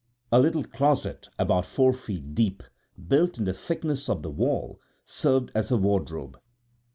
A little closet about four feet deep, built in the thickness of the wall, served as her wardrobe.